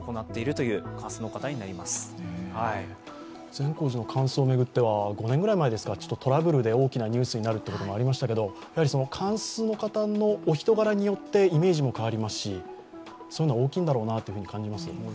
善光寺の貫主を巡っては５年ぐらい前ですか、トラブルで大きなニュースになることもありましたけど、貫主の方のお人柄によってイメージも変わりますしそういうのは大きいんだろうなと感じます。